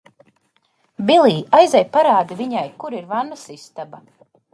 Bilij, aizej parādi viņai, kur ir vannas istaba!